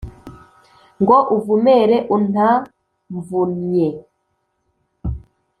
ngo uvumere untamvunnnye